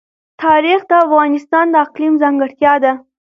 تاریخ د افغانستان د اقلیم ځانګړتیا ده.